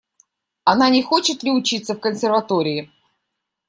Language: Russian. Она не хочет ли учиться в консерватории?